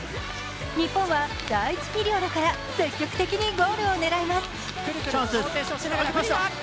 日本は第１ピリオドから積極的にゴールを狙います。